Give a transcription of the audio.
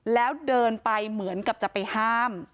แล้วเดินไปเหมือนกับจะไปห้าม